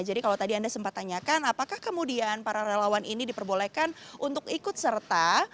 jadi kalau tadi anda sempat tanyakan apakah kemudian para relawan ini diperbolehkan untuk ikut serta